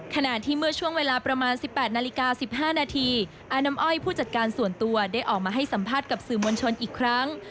ขณะที่เมื่อช่วงเวลาประมาณ๑๘นาฬิกา๑๕นาทีอาน้ำอ้อยผู้จัดการส่วนตัวได้ออกมาให้สัมภาษณ์กับสื่อมวลชนอีกครั้ง